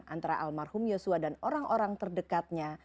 antara almarhum yosua dan orang orang terdekatnya